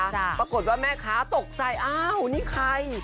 ปรากฏว่าแม่คะตกใจนี่ใคร